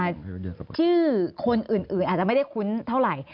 ชื่อคนอื่นอาจจะไม่ได้คุ้นเท่าไหร่